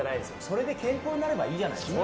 それで健康になればいいじゃないですか。